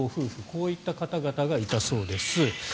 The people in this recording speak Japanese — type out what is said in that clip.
こういった方々がいたそうです。